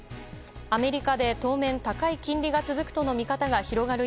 アメリカで当面、高い金利が続くとの見方が広がる